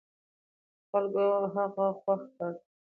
خلکو هغه خوښ کړ.